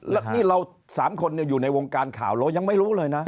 แล้วนี่เรา๓คนอยู่ในวงการข่าวเรายังไม่รู้เลยนะ